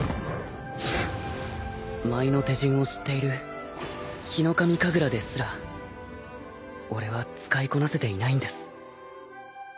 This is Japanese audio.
舞の手順を知っているヒノカミ神楽ですら俺は使いこなせていないんです。